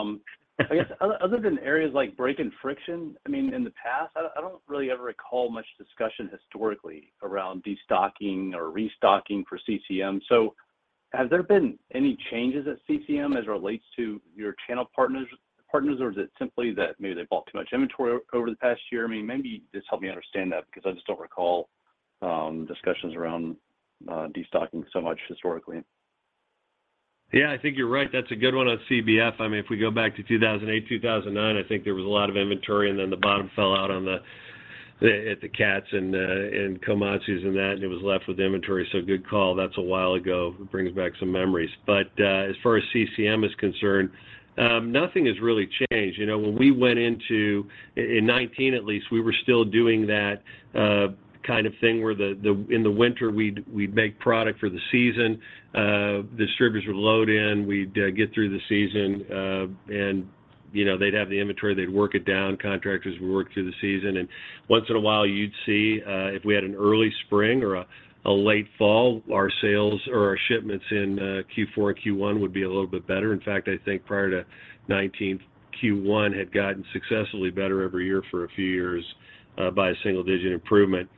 guess other than areas like Brake & Friction, I mean, in the past, I don't really ever recall much discussion historically around destocking or restocking for CCM. Have there been any changes at CCM as it relates to your channel partners, or is it simply that maybe they bought too much inventory over the past year? I mean, maybe just help me understand that because I just don't recall discussions around destocking so much historically. Yeah, I think you're right. That's a good one on CBF. I mean, if we go back to 2008, 2009, I think there was a lot of inventory, then the bottom fell out on the Cats and Komatsus and that, and it was left with inventory. Good call. That's a while ago. Brings back some memories. As far as CCM is concerned, nothing has really changed. You know, when we went in in 2019 at least, we were still doing that kind of thing where in the winter we'd make product for the season. Distributors would load in. We'd get through the season. You know, they'd have the inventory, they'd work it down, contractors would work through the season. Once in a while you'd see, if we had an early spring or a late fall, our sales or our shipments in Q4, Q1 would be a little bit better. In fact, I think prior to 2019, Q1 had gotten successfully better every year for a few years by a single-digit improvement.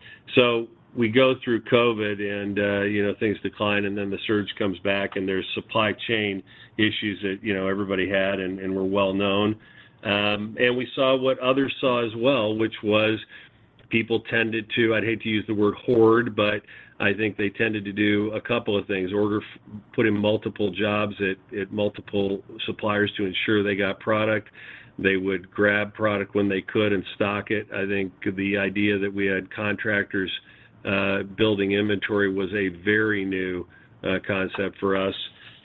We go through COVID and, you know, things decline, and then the surge comes back and there's supply chain issues that, you know, everybody had and were well known. We saw what others saw as well, which was people tended to, I'd hate to use the word hoard, but I think they tended to do a couple of things. Put in multiple jobs at multiple suppliers to ensure they got product. They would grab product when they could and stock it. I think the idea that we had contractors, building inventory was a very new concept for us.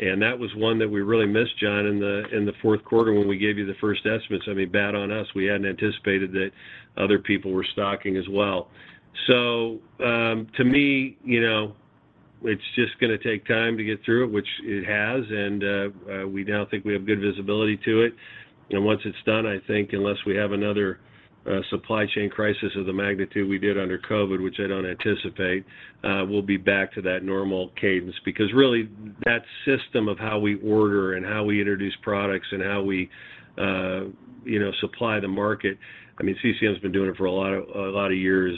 That was one that we really missed, John, in the fourth quarter when we gave you the first estimates. I mean, bad on us. We hadn't anticipated that other people were stocking as well. To me, you know, it's just gonna take time to get through it, which it has, we now think we have good visibility to it. Once it's done, I think unless we have another supply chain crisis of the magnitude we did under COVID, which I don't anticipate, we'll be back to that normal cadence. Really that system of how we order and how we introduce products and how we, you know, supply the market, I mean, CCM's been doing it for a lotta years,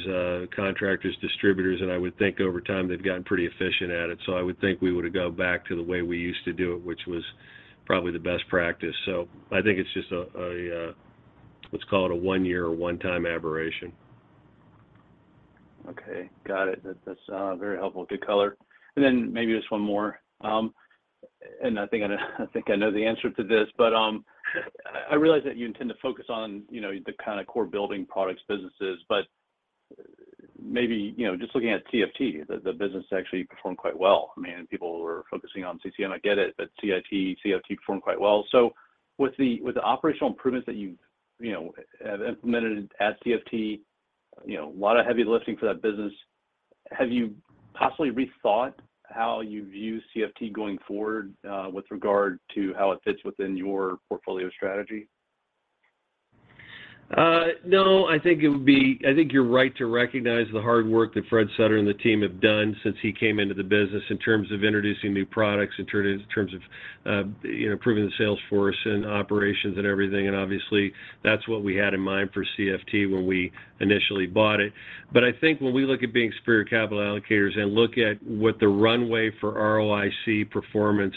contractors, distributors, and I would think over time they've gotten pretty efficient at it. I would think we would go back to the way we used to do it, which was probably the best practice. I think it's just a let's call it a one year or one time aberration. Okay. Got it. That, that's very helpful. Good color. Then maybe just one more. I think I know, I think I know the answer to this, but I realize that you intend to focus on, you know, the kind of core building products businesses, but maybe, you know, just looking at CFT, the business actually performed quite well. I mean, people were focusing on CCM, I get it, but CFT performed quite well. With the, with the operational improvements that you've, you know, have implemented at CFT, you know, a lot of heavy lifting for that business, have you possibly rethought how you view CFT going forward, with regard to how it fits within your portfolio strategy? No. I think you're right to recognize the hard work that Fred Sutter and the team have done since he came into the business in terms of introducing new products, in terms of, you know, improving the sales force and operations and everything. Obviously that's what we had in mind for CFT when we initially bought it. I think when we look at being superior capital allocators and look at what the runway for ROIC performance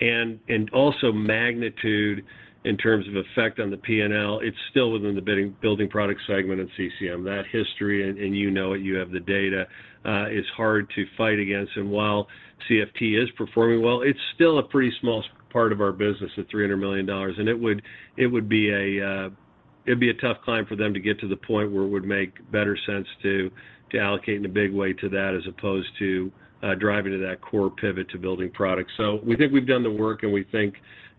and also magnitude in terms of effect on the P&L, it's still within the building product segment at CCM. That history, and you know it, you have the data, is hard to fight against. While CFT is performing well, it's still a pretty small part of our business at $300 million. It would be a tough climb for them to get to the point where it would make better sense to allocate in a big way to that as opposed to driving to that core pivot to building products. We think we've done the work, and we think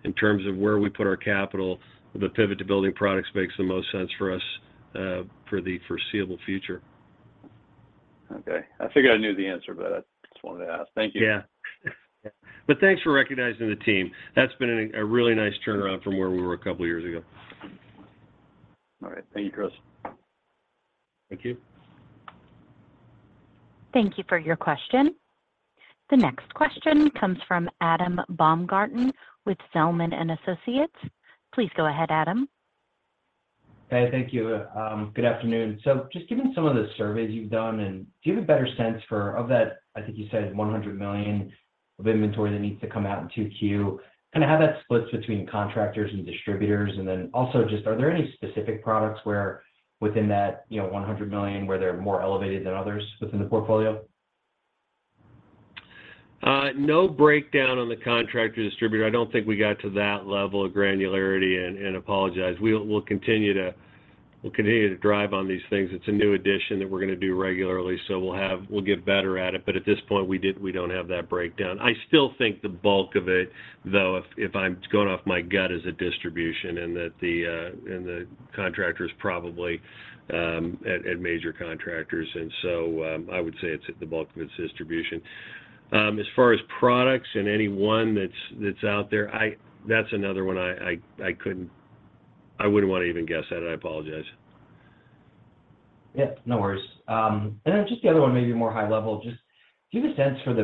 in terms of where we put our capital, the pivot to building products makes the most sense for us for the foreseeable future. Okay. I figured I knew the answer, but I just wanted to ask. Thank you. Yeah. Thanks for recognizing the team. That's been a really nice turnaround from where we were 2 years ago. All right. Thank you, Chris. Thank you. Thank you for your question. The next question comes from Adam Baumgarten with Zelman & Associates. Please go ahead, Adam. Hey. Thank you. good afternoon. just given some of the surveys you've done, and do you have a better sense for, of that, I think you said $100 million of inventory that needs to come out in 2Q, kind of how that splits between contractors and distributors? also just are there any specific products where within that, you know, $100 million, where they're more elevated than others within the portfolio? No breakdown on the contractor distributor. I don't think we got to that level of granularity and apologize. We'll continue to drive on these things. It's a new addition that we're gonna do regularly, so we'll get better at it, but at this point we don't have that breakdown. I still think the bulk of it though, if I'm going off my gut, is the distribution and that the contractors probably at major contractors. I would say it's, the bulk of it's distribution. As far as products and any one that's out there, that's another one I couldn't, I wouldn't wanna even guess at. I apologize. Yeah. No worries. Just the other one, maybe more high level just, do you have a sense for the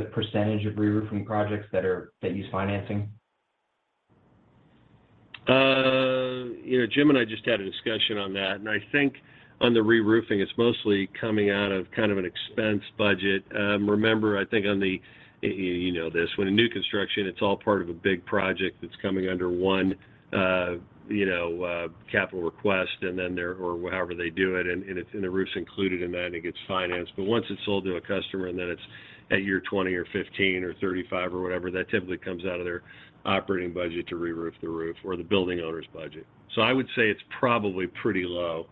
% of reroofing projects that are, that use financing? you know, Jim and I just had a discussion on that, and I think on the reroofing, it's mostly coming out of kind of an expense budget. Remember, I think on the, you know this, when a new construction, it's all part of a big project that's coming under one, you know, capital request and then they're, or however they do it, and it's, and the roof's included in that and it gets financed. Once it's sold to a customer and then it's at year 20 or 15 or 35 or whatever, that typically comes out of their operating budget to reroof the roof or the building owner's budget. I would say it's probably pretty low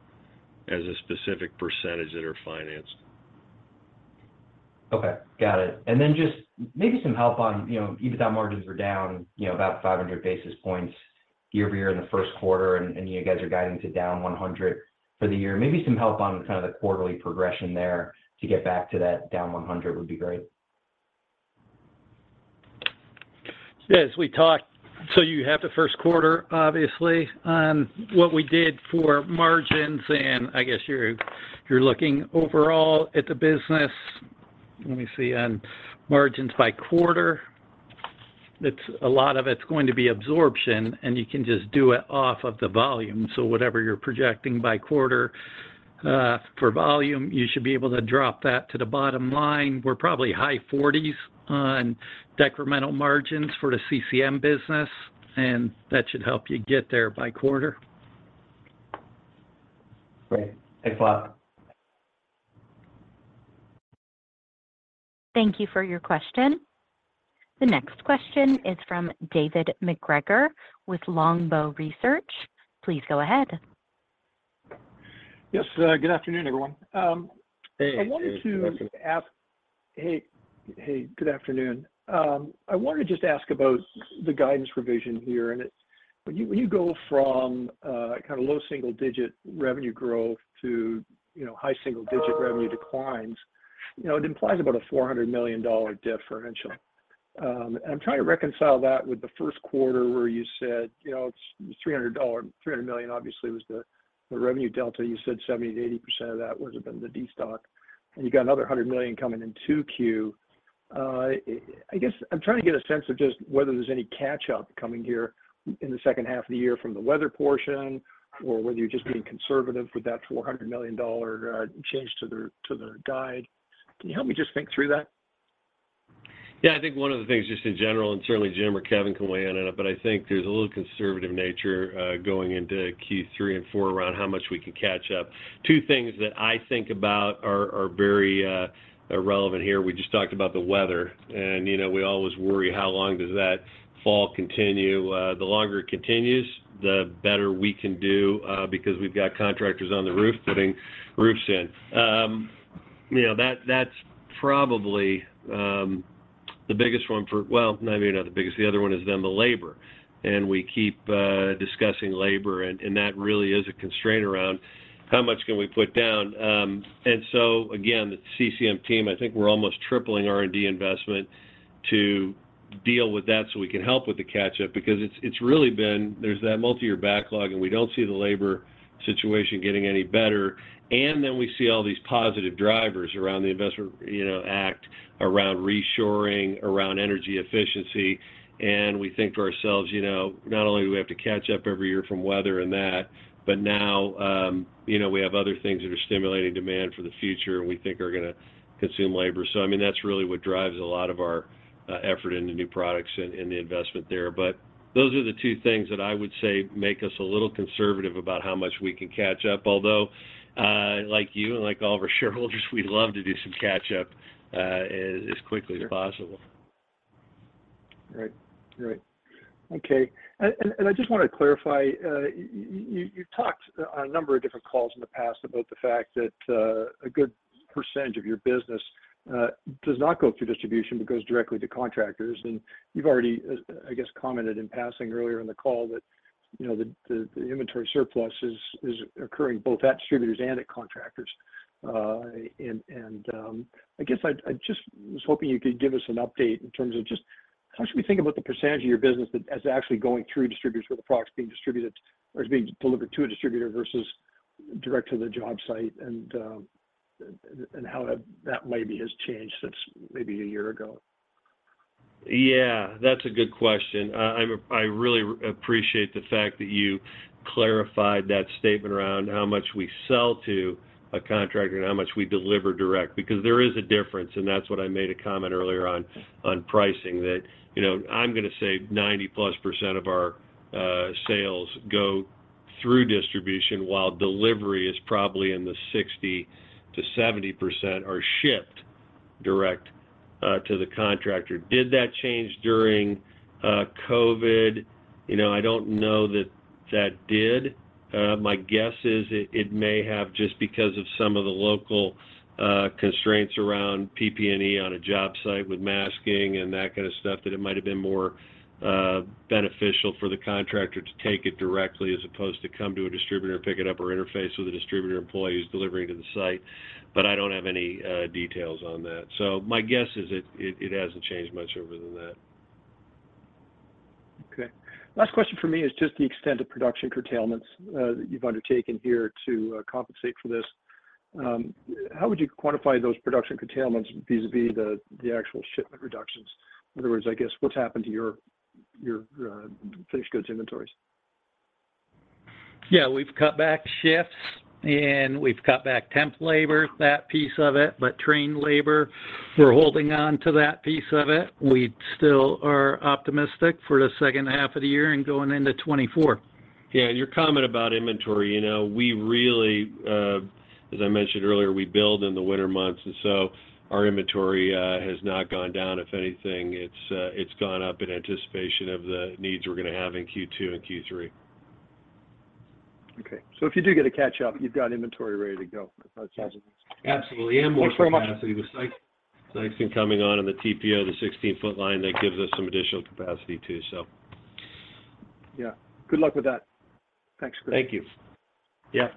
as a specific percentage that are financed. Okay. Got it. Just maybe some help on, you know, EBITDA margins were down, you know, about 500 basis points year-over-year in the first quarter, and you guys are guiding to down 100 for the year. Maybe some help on kind of the quarterly progression there to get back to that down 100 would be great. Yes, we talked. You have the first quarter, obviously, on what we did for margins, and I guess you're looking overall at the business. Let me see. On margins by quarter, a lot of it's going to be absorption, and you can just do it off of the volume. Whatever you're projecting by quarter, for volume, you should be able to drop that to the bottom line. We're probably high forties on decremental margins for the CCM business, and that should help you get there by quarter. Great. Thanks a lot. Thank you for your question. The next question is from David MacGregor with Longbow Research. Please go ahead. Yes. Good afternoon, everyone. Hey. I wanted to ask- Good afternoon. Hey. Hey. Good afternoon. I wanted to just ask about the guidance revision here, when you go from kind of low single-digit revenue growth to, you know, high single-digit revenue declines, you know, it implies about a $400 million differential. I'm trying to reconcile that with the first quarter where you said, you know, it's $300 million obviously was the revenue delta. You said 70%-80% of that would have been the destock. You got another $100 million coming in 2Q. I guess I'm trying to get a sense of just whether there's any catch-up coming here in the 2nd half of the year from the weather portion or whether you're just being conservative with that $400 million change to the guide. Can you help me just think through that? Yeah. I think one of the things just in general, certainly Jim or Kevin can weigh in on it, I think there's a little conservative nature going into Q3 and Q4 around how much we can catch up. Two things that I think about are very relevant here. We just talked about the weather, you know, we always worry how long does that fall continue. The longer it continues, the better we can do because we've got contractors on the roof putting roofs in. You know, that's probably the biggest one. Well, maybe not the biggest. The other one is then the labor. We keep discussing labor and that really is a constraint around how much can we put down. Again, the CCM team, I think we're almost tripling R&D investment to deal with that, so we can help with the catch-up because it's really been there's that multiyear backlog, and we don't see the labor situation getting any better. Then we see all these positive drivers around the Investment, you know, Act, around reshoring, around energy efficiency. We think to ourselves, you know, not only do we have to catch up every year from weather and that, but now, you know, we have other things that are stimulating demand for the future and we think are gonna consume labor. I mean, that's really what drives a lot of our effort into new products and the investment there. Those are the two things that I would say make us a little conservative about how much we can catch up. Like you and like all of our shareholders, we'd love to do some catch-up, as quickly as possible. Right. Right. Okay. I just wanna clarify, you talked on a number of different calls in the past about the fact that a good percentage of your business does not go through distribution, but goes directly to contractors. You've already, I guess, commented in passing earlier in the call that, you know, the inventory surplus is occurring both at distributors and at contractors. I guess I just was hoping you could give us an update in terms of just how should we think about the percentage of your business that is actually going through distributors, where the product's being distributed or is being delivered to a distributor versus direct to the job site and how that maybe has changed since maybe a year ago. Yeah, that's a good question. I really appreciate the fact that you clarified that statement around how much we sell to a contractor and how much we deliver direct, because there is a difference, and that's what I made a comment earlier on pricing that, you know, I'm gonna say 90%+ of our sales go through distribution while delivery is probably in the 60%-70% are shipped direct to the contractor. Did that change during COVID? You know, I don't know that that did. My guess is it may have just because of some of the local constraints around PPE on a job site with masking and that kind of stuff, that it might have been more beneficial for the contractor to take it directly as opposed to come to a distributor and pick it up or interface with a distributor employee who's delivering to the site. I don't have any details on that. My guess is it hasn't changed much over than that. Okay. Last question for me is just the extent of production curtailments that you've undertaken here to compensate for this. How would you quantify those production curtailments vis-à-vis the actual shipment reductions? In other words, I guess, what's happened to your finished goods inventories? Yeah. We've cut back shifts, and we've cut back temp labor, that piece of it. Trained labor, we're holding on to that piece of it. We still are optimistic for the second half of the year and going into 2024. Yeah. Your comment about inventory, you know, we really, as I mentioned earlier, we build in the winter months. Our inventory has not gone down. If anything, it's gone up in anticipation of the needs we're gonna have in Q2 and Q3. Okay. If you do get a catch-up, you've got inventory ready to go. That's how it sounds. Absolutely. Thanks very much. more capacity with Sikeston coming on and the TPO, the 16 ft line, that gives us some additional capacity too. Yeah. Good luck with that. Thanks. Thank you. Yeah.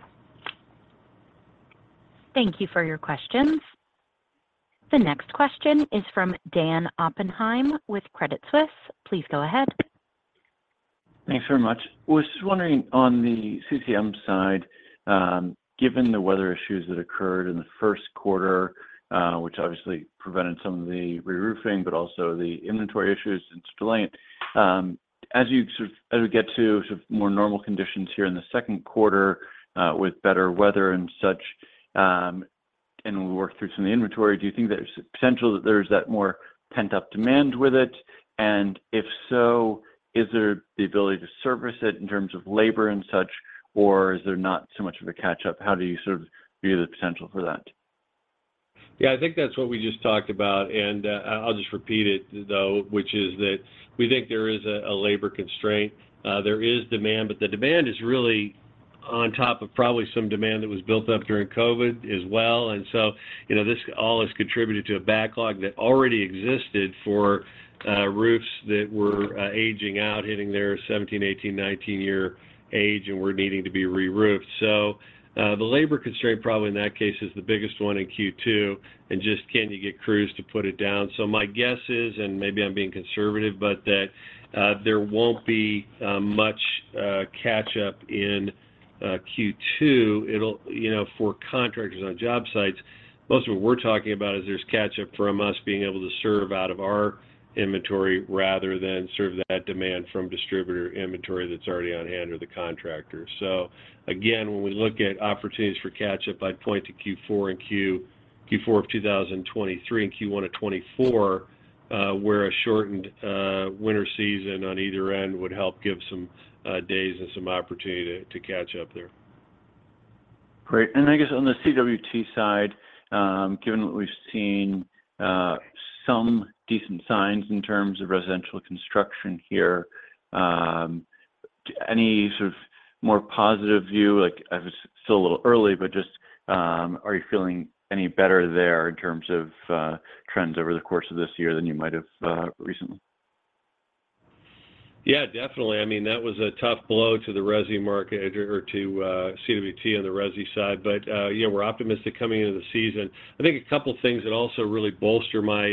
Thank you for your questions. The next question is from Dan Oppenheim with Credit Suisse. Please go ahead. Thanks very much. Was just wondering on the CCM side, given the weather issues that occurred in the first quarter, which obviously prevented some of the reroofing, but also the inventory issues, it's delaying it. As we get to sort of more normal conditions here in the second quarter, with better weather and such, and we work through some of the inventory, do you think there's a potential that there's that more pent-up demand with it? If so, is there the ability to service it in terms of labor and such, or is there not so much of a catch-up? How do you sort of view the potential for that? Yeah, I think that's what we just talked about, and I'll just repeat it though, which is that we think there is a labor constraint. There is demand, but the demand is really on top of probably some demand that was built up during COVID as well. You know, this all has contributed to a backlog that already existed for roofs that were aging out, hitting their 17, 18, 19-year age and were needing to be reroofed. The labor constraint probably in that case is the biggest one in Q2, and just can you get crews to put it down? My guess is, and maybe I'm being conservative, but that there won't be much catch-up in Q2. It'll. You know, for contractors on job sites, most of what we're talking about is there's catch-up from us being able to serve out of our inventory rather than serve that demand from distributor inventory that's already on hand or the contractor. Again, when we look at opportunities for catch-up, I'd point to Q4 and Q4 of 2023 and Q1 of 2024, where a shortened winter season on either end would help give some days and some opportunity to catch up there. Great. I guess on the CWT side, given what we've seen, some decent signs in terms of residential construction here, any sort of more positive view? Like, I know it's still a little early, but just, are you feeling any better there in terms of trends over the course of this year than you might have recently? Yeah, definitely. I mean, that was a tough blow to the resi market or to CWT on the resi side. Yeah, we're optimistic coming into the season. I think a couple things that also really bolster my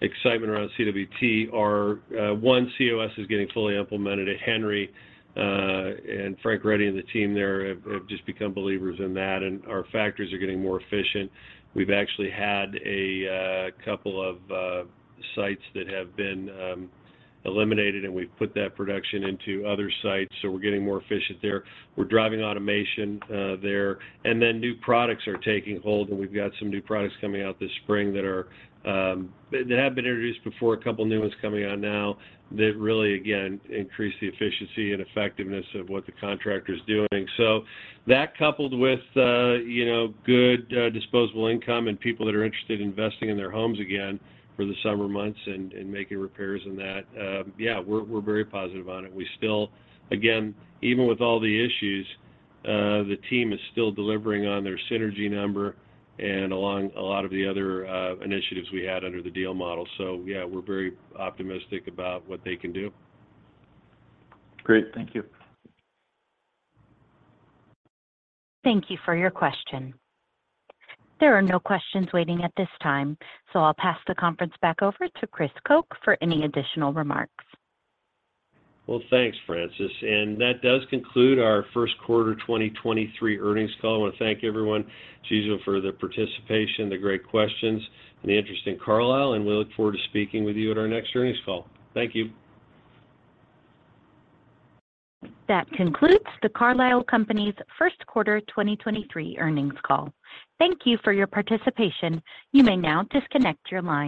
excitement around CWT are one, COS is getting fully implemented at Henry. Frank Ready and the team there have just become believers in that. Our factories are getting more efficient. We've actually had a couple of sites that have been eliminated, and we've put that production into other sites, so we're getting more efficient there. We're driving automation there. New products are taking hold, and we've got some new products coming out this spring that are, that have been introduced before, a couple new ones coming out now that really, again, increase the efficiency and effectiveness of what the contractor's doing. That coupled with, you know, good, disposable income and people that are interested in investing in their homes again for the summer months and making repairs and that, yeah, we're very positive on it. We still, again, even with all the issues, the team is still delivering on their synergy number and along a lot of the other, initiatives we had under the DEAL model. Yeah, we're very optimistic about what they can do. Great. Thank you. Thank you for your question. There are no questions waiting at this time, so I'll pass the conference back over to Chris Koch for any additional remarks. Well, thanks, Frances. That does conclude our first quarter 2023 earnings call. I wanna thank everyone usual for their participation, the great questions, and the interest in Carlisle, and we look forward to speaking with you at our next earnings call. Thank you. That concludes Carlisle Companies' first quarter 2023 earnings call. Thank you for your participation. You may now disconnect your lines.